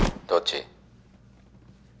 どっち？